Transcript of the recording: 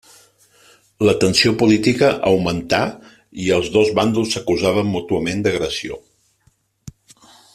La tensió política augmentà i els dos bàndols s'acusaven mútuament d'agressió.